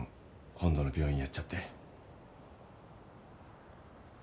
本土の病院やっちゃって。